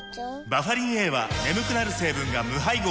バファリンＡは眠くなる成分が無配合なんです